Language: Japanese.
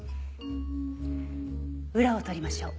裏を取りましょう。